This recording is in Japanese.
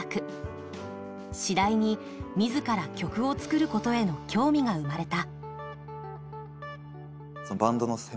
次第に、自ら曲を作ることへの興味が生まれた。